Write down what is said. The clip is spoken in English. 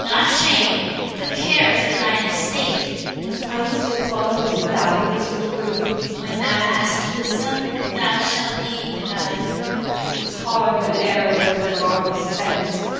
Not shame, but care for thine estate. EL. Must I still follow as thou thinkest good? CHR. When thou hast wisdom, thou shalt be the guide. EL. 'Tis hard when error wears the garb of sense.